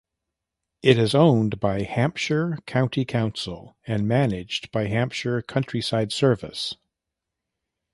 It is owned by Hampshire County Council and managed by Hampshire Countryside Service.